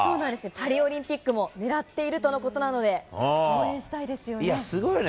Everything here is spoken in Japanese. パリオリンピックもねらっているとのことなのいや、すごいね。